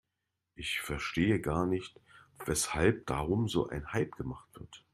Ich verstehe gar nicht, weshalb darum so ein Hype gemacht wird.